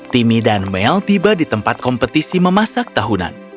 timmy dan mel tiba di tempat kompetisi memasak tahunan